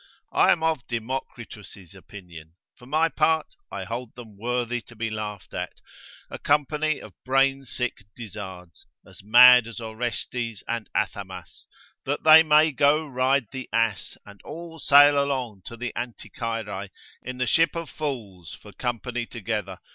I am of Democritus' opinion for my part, I hold them worthy to be laughed at; a company of brain sick dizzards, as mad as Orestes and Athamas, that they may go ride the ass, and all sail along to the Anticyrae, in the ship of fools for company together.